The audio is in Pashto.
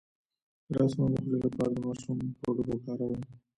د لاسونو د خولې لپاره د ماشوم پوډر وکاروئ